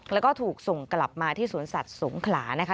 แล้วก็ถูกส่งกลับมาที่สวนสัตว์สงขลานะคะ